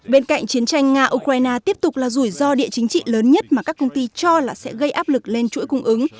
bên cạnh chiến tranh nga ukraine tiếp tục là rủi ro địa chính trị lớn nhất mà các công ty cho là sẽ gây áp lực lên chuỗi cung ứng